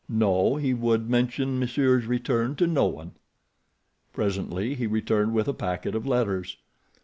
No, he would mention monsieur's return to no one. Presently he returned with a packet of letters.